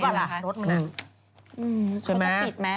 เขาจะปิดมั้ย